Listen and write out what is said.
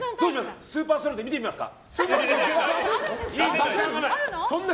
スーパースローで見てみますか？